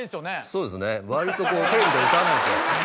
そうですね割とこうテレビで歌わないんですよ